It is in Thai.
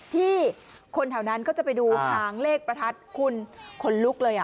ที่คนแถวนั้นก็จะไปดูหางเลขประทัดคุณขนลุกเลย